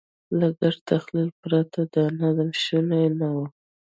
له ګډ تخیل پرته دا نظم شونی نه و.